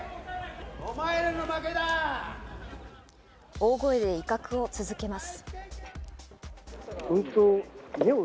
大声で威嚇を続けます。